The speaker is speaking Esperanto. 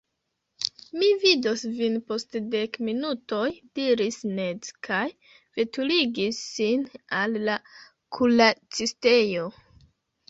Mi vidos vin post dek minutoj diris Ned, kaj veturigis sin al la kuracistejo.